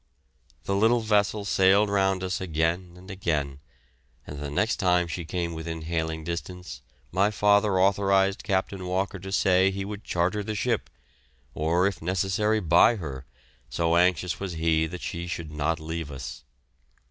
The little vessel sailed round us again and again, and the next time she came within hailing distance my father authorised Captain Walker to say he would charter the ship, or if necessary buy her, so anxious was he that she should not leave us.